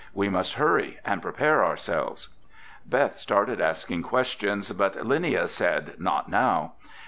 We must hurry and prepare ourselves!" Beth started asking questions, but Linnia said not now.